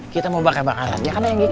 kita mau bakar bakaran ya kan ayo gigit